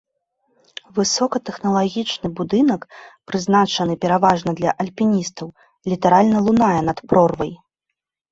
Высокатэхналагічны будынак, прызначаны пераважна для альпіністаў, літаральна лунае над прорвай.